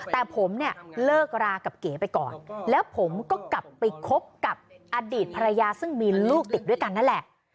แต่ผมเนี่ยเลิกรากับเก๋ไปก่อนแล้วผมก็กลับไปคบกับอดีตภรรยาซึ่งมีลูกติดด้วยกันนั่นแหละ